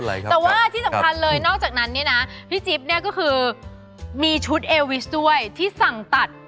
แต่ว่าที่สำคัญเลยนอกจากนั้นเนี่ยนะพี่จิ๊บเนี่ยก็คือมีชุดเอวิสด้วยที่สั่งตัด